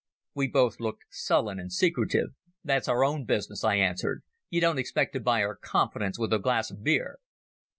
We both looked sullen and secretive. "That's our own business," I answered. "You don't expect to buy our confidence with a glass of beer."